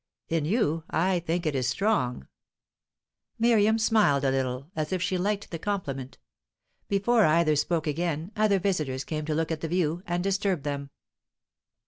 "In you, I think, it is strong." Miriam smiled a little, as if she liked the compliment. Before either spoke again, other visitors came to look at the view, and disturbed them.